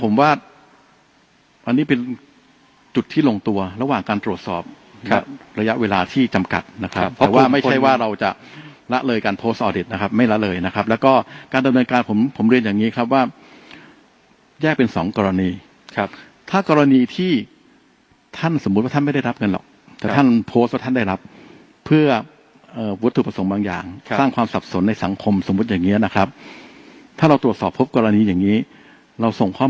ไม่ได้ว่าเราจะละเลยการโพสต์ออดิตนะครับไม่ละเลยนะครับแล้วก็การดำเนินการผมเรียนอย่างงี้ครับว่าแยกเป็นสองกรณีถ้ากรณีที่ท่านสมมุติว่าท่านไม่ได้รับเงินหรอกแต่ท่านโพสต์ว่าท่านได้รับเพื่อวุฒิถูกประสงค์บางอย่างสร้างความสับสนในสังคมสมมุติอย่างเงี้ยนะครับถ้าเราตรวจสอบพบกรณีอย่างงี้เราส่ง